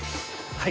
はい。